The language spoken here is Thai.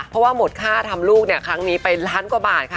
เพราะว่าหมดค่าทำลูกเนี่ยครั้งนี้ไปล้านกว่าบาทค่ะ